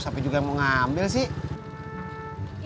siapa juga yang mau ngambil sih